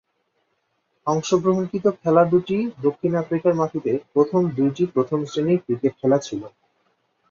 অংশগ্রহণকৃত খেলা দুটি দক্ষিণ আফ্রিকার মাটিতে প্রথম দুইটি প্রথম-শ্রেণীর ক্রিকেট খেলা ছিল।